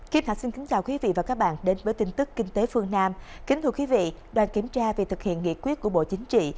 kính thưa quý vị và các bạn đoàn kiểm tra về thực hiện nghị quyết của bộ chính trị